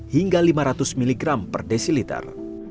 hingga lima ratus mg per desiliter